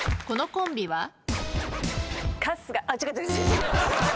このコンビは？